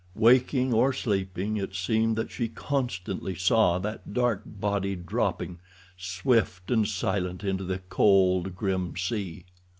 Waking or sleeping, it seemed that she constantly saw that dark body dropping, swift and silent, into the cold, grim sea.